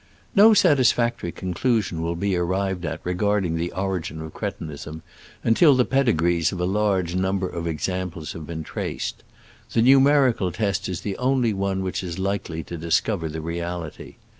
No satisfactory conclusion will be ar rived at regarding the origin of cretinism until the pedigrees of a large number of examples have been traced. The numer ical test is the only one which is likely to discover the reality.